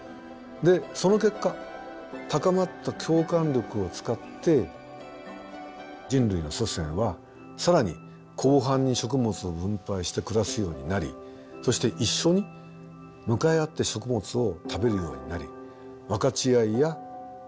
その結果高まった共感力を使って人類の祖先は更に広範に食物を分配して暮らすようになりそして一緒に向かい合って食物を食べるようになり分かち合いや平等といった